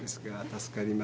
助かります。